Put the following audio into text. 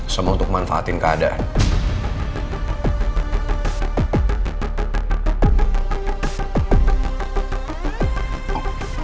semua untuk manfaatin keadaan